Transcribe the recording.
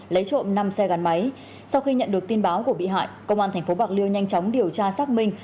lấy trộm năm xe gắn máy sau khi nhận được tin báo của bị hại công an tp bạc liêu nhanh chóng điều tra xác minh